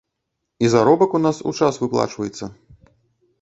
І заробак у нас ў час выплачваецца.